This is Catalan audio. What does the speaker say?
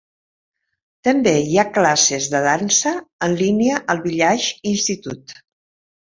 També hi ha classes de dansa en línia al Village Institute.